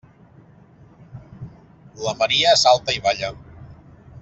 La Maria salta i balla.